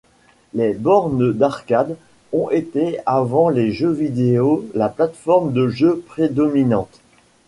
Les bornes d’arcades ont été avant les jeux vidéo la plateforme de jeu prédominante.